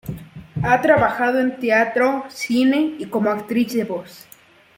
Ha trabajado en teatro, cine y como actriz de voz.